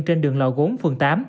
trên đường lò gốn phường tám